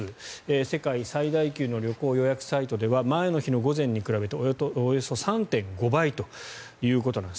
世界最大級の旅行予約サイトでは前の日の午前に比べておよそ３．５倍ということです。